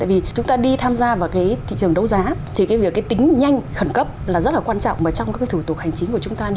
tại vì chúng ta đi tham gia vào cái thị trường đấu giá